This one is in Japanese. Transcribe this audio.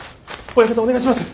親方お願いします。